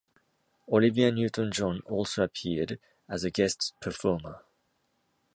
Olivia Newton-John also appeared as a guest performer.